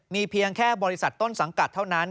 มีเพียงแค่บริษัทต้นสังกัดเท่านั้น